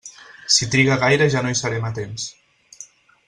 Si triga gaire ja no hi serem a temps.